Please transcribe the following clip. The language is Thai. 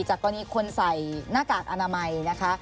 กรณีคนใส่หน้ากากอนามัยนะคะ